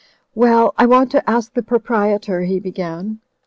"Well, I want to ask the proprietor," he began.